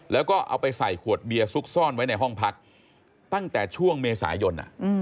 แล้วก็เอาไปใส่ขวดเบียร์ซุกซ่อนไว้ในห้องพักตั้งแต่ช่วงเมษายน